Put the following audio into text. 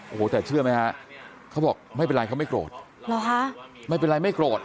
โอ้โหแต่เชื่อไหมฮะเขาบอกไม่เป็นไรเขาไม่โกรธเหรอฮะไม่เป็นไรไม่โกรธ